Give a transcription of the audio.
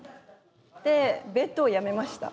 でベッドをやめました。